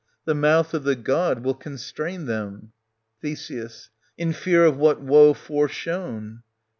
The mouth of the god will constrain them. Th. In fear of what woe foreshown } Oe.